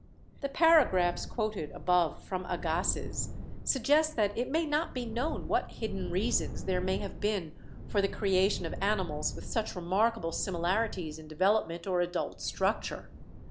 The paragraphs quoted above from Agassiz suggest that it may not be known what hidden reasons there may have been for the creation of animals with such remark 160 BIOLOGY able similarities in development or adult structure.